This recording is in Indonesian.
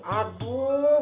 aduh buat si sulam